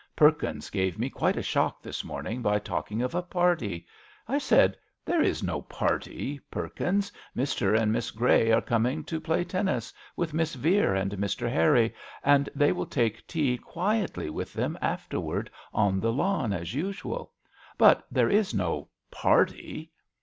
Perkins gave me quite a shock this morning by talking of a party. I said, * There is no party, Perkins. Mr. and Miss Grey are coming to play tennis with Miss Vere and Mr. Harry, and they will take tea quietly with them afterwards on the lawn as usual; but there is no party.